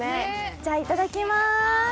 じゃ、いただきます。